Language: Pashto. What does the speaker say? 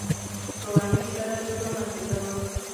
ګاونډي سره ژبه مه تیزوه